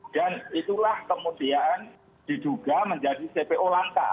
dan itulah kemudian diduga menjadi cpo lanka